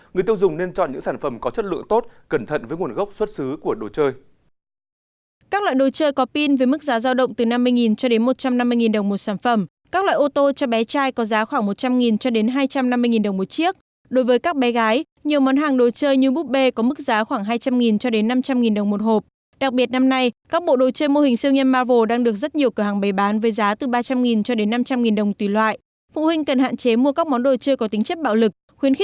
người tiêu dùng nên chọn những sản phẩm có chất lượng tốt cẩn thận với nguồn gốc xuất xứ của đồ chơi